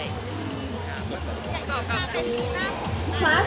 อย่าทานหิหาย